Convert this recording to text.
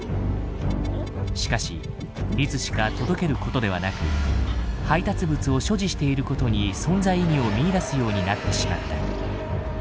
しかしいつしか届けることではなく配達物を所持していることに存在意義を見いだすようになってしまった。